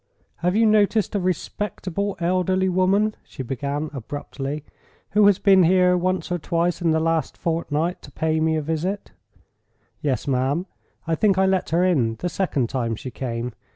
"Have you noticed a respectable elderly woman," she began, abruptly, "who has been here once or twice in the last fortnight to pay me a visit?" "Yes, ma'am; I think I let her in the second time she came.